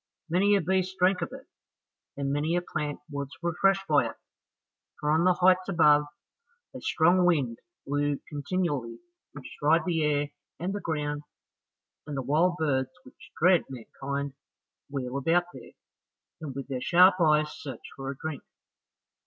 Many a beast drank of it, and many a plant was refreshed by it, for on the heights above, a strong wind blew continually, which dried the air and the ground, and the wild birds which dread mankind wheel about there, and with their sharp eyes search for a drink.